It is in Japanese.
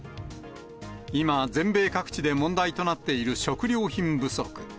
今、全米各地で問題となっている食料品不足。